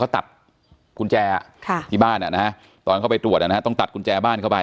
ตัดกุญแจที่บ้านตอนเข้าไปตรวจต้องตัดกุญแจบ้านเข้าไป